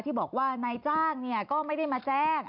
ที่บอกว่านายจ้างก็ไม่ได้มาแจ้ง